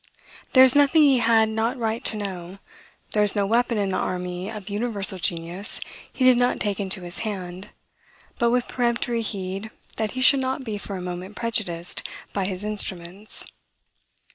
There is nothing he had not right to know; there is no weapon in the army of universal genius he did not take into his hand, but with peremptory heed that he should not be for a moment prejudiced by his instruments.